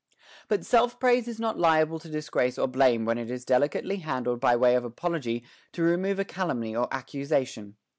4. But self praise is not liable to disgrace or blame when it is delicately handled by way of apology to remove a cal umny or accusation.